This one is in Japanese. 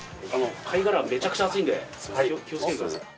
貝殻めちゃくちゃ熱いんで気をつけてください。